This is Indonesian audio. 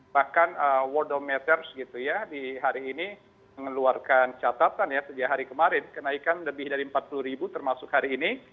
bahkan world matters gitu ya di hari ini mengeluarkan catatan ya sejak hari kemarin kenaikan lebih dari empat puluh ribu termasuk hari ini